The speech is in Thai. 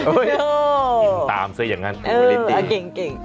ดินตามสิอย่างงั้นทูลิตี้อ่าเก่ง